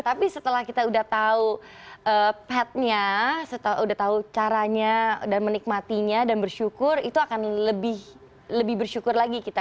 tapi setelah kita udah tahu pad nya setelah udah tahu caranya dan menikmatinya dan bersyukur itu akan lebih bersyukur lagi kita